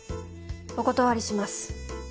お断りします。